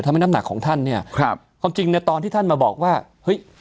น้ำหนักของท่านเนี่ยครับความจริงเนี่ยตอนที่ท่านมาบอกว่าเฮ้ย